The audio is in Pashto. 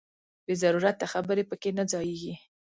بې ضرورته خبرې پکې نه ځاییږي.